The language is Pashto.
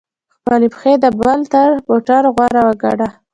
خپلي پښې د بل تر موټر غوره وګڼه!